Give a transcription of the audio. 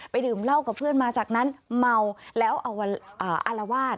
ดื่มเหล้ากับเพื่อนมาจากนั้นเมาแล้วอารวาส